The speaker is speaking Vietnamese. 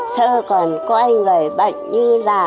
sơ còn coi người bệnh như là